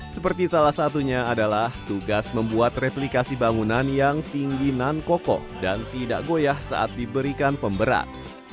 seperti salah satunya adalah tugas membuat replikasi bangunan yang tinggi nan kokoh dan tidak goyah saat diberikan pemberat